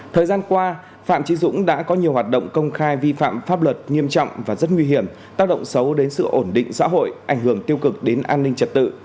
thời gian qua phạm trí dũng đã có nhiều hoạt động công khai vi phạm pháp luật nghiêm trọng và rất nguy hiểm tác động xấu đến sự ổn định xã hội ảnh hưởng tiêu cực đến an ninh trật tự